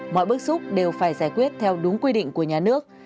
mọi bức xúc đều phải giải quyết theo đúng quy định của nhà nước